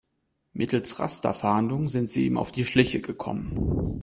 Mittels Rasterfahndung sind sie ihm auf die Schliche gekommen.